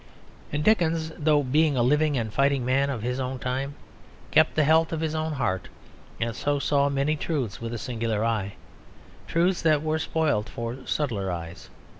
And Dickens, through being a living and fighting man of his own time, kept the health of his own heart, and so saw many truths with a single eye: truths that were spoilt for subtler eyes.